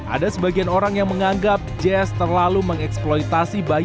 ada sebagian orang yang menganggap jazz terlalu mengeksploitasi bayi